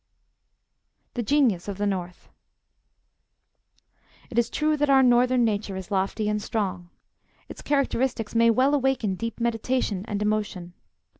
THE GENIUS OF THE NORTH It is true that our Northern nature is lofty and strong. Its characteristics may well awaken deep meditation and emotion.